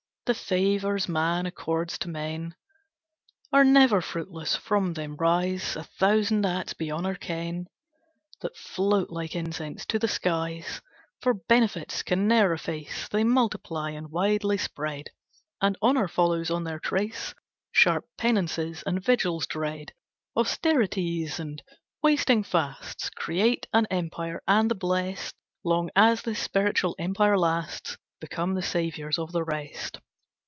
"The favours man accords to men Are never fruitless, from them rise A thousand acts beyond our ken That float like incense to the skies; For benefits can ne'er efface, They multiply and widely spread, And honour follows on their trace. Sharp penances, and vigils dread, Austerities, and wasting fasts, Create an empire, and the blest Long as this spiritual empire lasts Become the saviours of the rest."